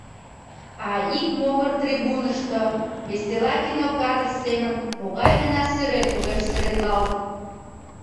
А ик могыр трибунышто весела кинокадр семын могай гына сӱрет огеш сӱретлалт.